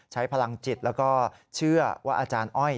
ใช้พลังจิตแล้วก็เชื่อว่าอาจารย์อ้อย